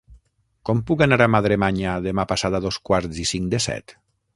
Com puc anar a Madremanya demà passat a dos quarts i cinc de set?